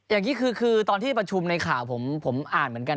อย่างนี้คือตอนที่ประชุมในข่าวผมอ่านเหมือนกัน